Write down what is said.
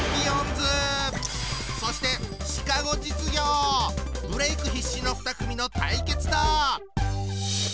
そしてブレーク必至の２組の対決だ！